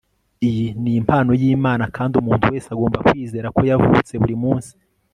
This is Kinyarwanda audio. iyi ni impano y'imana kandi umuntu wese agomba kwizera ko yavutse buri munsi